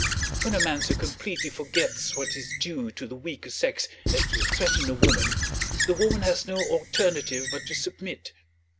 When a man so completely forgets what is due to the weaker sex as to threaten a woman, the woman has no alternative but to submit.